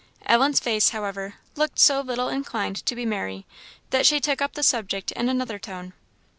Ellen's face, however, looked so little inclined to be merry, that she took up the subject in another tone.